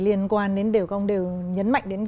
liên quan đến đều không đều nhấn mạnh đến